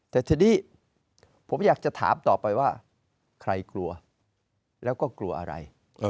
แต่ทีนี้ผมอยากจะถามต่อไปว่าใครกลัวแล้วก็กลัวอะไร